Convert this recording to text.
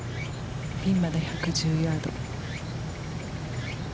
ピンまで１１０ヤード。